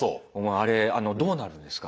「あれどうなるんですか？」